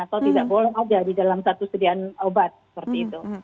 atau tidak boleh ada di dalam satu sediaan obat seperti itu